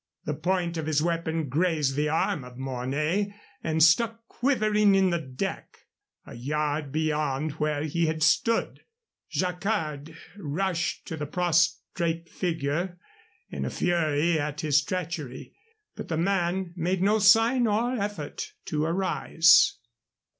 The point of his weapon grazed the arm of Mornay and stuck quivering in the deck, a yard beyond where he had stood. Jacquard rushed to the prostrate figure in a fury at his treachery, but the man made no sign or effort to arise.